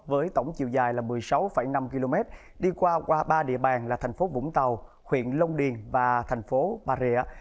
với tổng chiều dài là một mươi sáu năm km đi qua qua ba địa bàn là thành phố vũng tàu huyện long điền và bà rịa